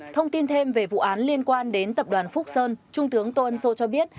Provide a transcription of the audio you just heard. thông tin thêm về vụ án liên quan đến tập đoàn phúc sơn trung tướng tôn sô cho biết